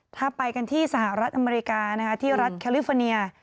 ถ้าไปกันที่สหรัฐอเมริกาที่รัฐแคลิฟอร์เนีย